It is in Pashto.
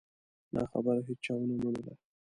دا خبره هېچا ونه منله.